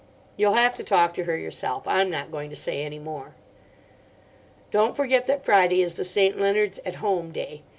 You'll have to talk to her yourself. I'm not going to say any more. "Don't forget that Friday is the St. Leonards' 'At Home' day.